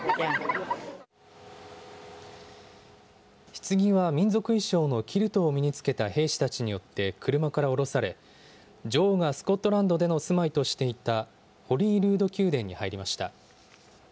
ひつぎは民族衣装のキルトを身に着けた兵士たちによって車から降ろされ、女王がスコットランドでの住まいとしていたホリールード宮殿に入りました。